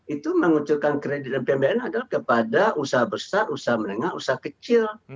itu mengunculkan kredit dan pmbn kepada usaha besar usaha menengah usaha kecil